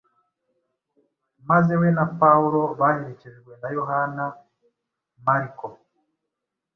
maze we na Pawulo baherekejwe na Yohana Mariko